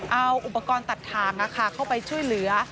เอาอุปกรณ์ตัดทางเข้าไปช่วยเหลือ